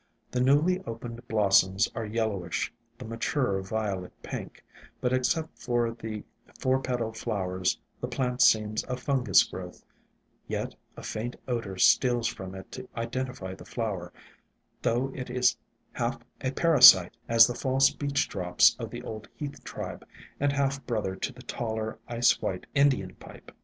The newly opened blossoms are yellowish, the maturer violet pink, but except for the four petaled flowers the plant seems a fungus growth ; yet a faint odor steals from it to identify the flower, though it is half a parasite, as the False Beech Drops of the old Heath tribe, and half brother to the taller ice white Indian Pipe.